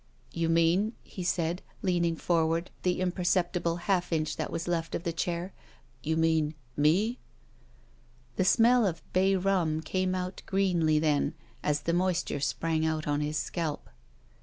"You mean," he said, leaning forward the im perceptible half inch that was left of chair — "you mean — ^me —?" The smell of bay rum came out gre^y then as the moisture sprang out on his scalp.